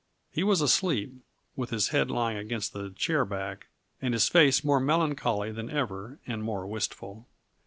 He was asleep, with his head lying against the chair back and his face more melancholy than ever and more wistful.